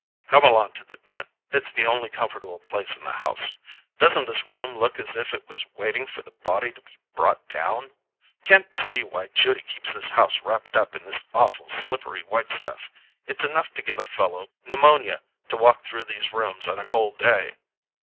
"Come along to the den; it's the only comfortable place in the house. Doesn't this room look as if it was waiting for the body to be brought down? Can't see why Judy keeps the house wrapped up in this awful slippery white stuff—it's enough to give a fellow pneumonia to walk through these rooms on a cold day.